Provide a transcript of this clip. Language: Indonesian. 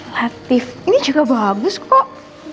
latif ini juga bagus kok